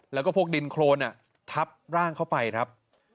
แล้วก็พวกดินโครนทับร่างเข้าไปครับ